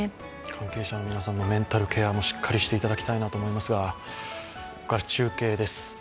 関係者の皆さんのメンタルケアもしっかりしていただきたいと思いますがここから中継です。